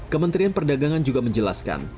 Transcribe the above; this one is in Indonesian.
kementerian perdagangan juga menjelaskan